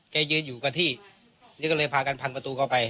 ยืนอยู่กับที่นี่ก็เลยพากันพังประตูเข้าไป